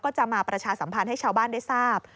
จะมาประชาสัมพันธ์ให้ชาวบ้านได้ทราบ